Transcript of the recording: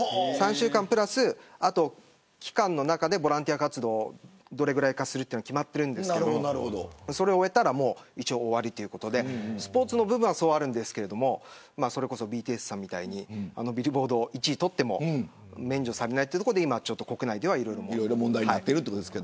３週間プラス期間の中でボランティア活動をどれぐらいするかは決まっているんですけどそれを終えたらもう一応、終わりということでスポーツの部分はそうあるんですけどそれこそ、ＢＴＳさんみたいにビルボード１位を取っても免除されないというところで国内では、いろいろと問題になっています。